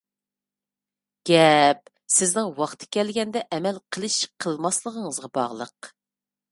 گەپ، سىزنىڭ ۋاقتى كەلگەندە ئەمەل قىلىش-قىلالماسلىقىڭىزغا باغلىق.